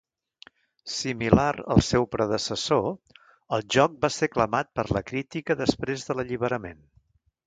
Similar al seu predecessor, el joc va ser aclamat per la crítica després de l'alliberament.